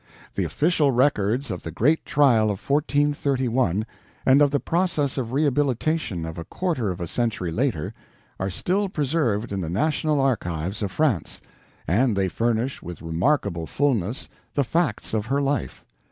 The official records of the Great Trial of 1431, and of the Process of Rehabilitation of a quarter of a century later, are still preserved in the National Archives of France, and they furnish with remarkable fullness the facts of her life.